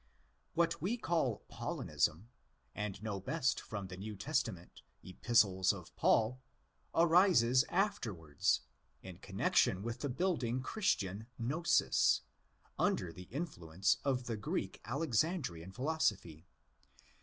'* What we call Paulinism, and know best from the New Testament ' Epistles of Paul,' arises afterwards, In connexion with the budding Christian gnosis, under the influence of the Greek Alexandrian philo sophy.'